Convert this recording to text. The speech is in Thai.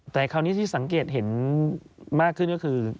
แต่คราวนี้ที่สังเกตเห็นมากขึ้นก็คือ